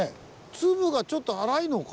粒がちょっと粗いのか？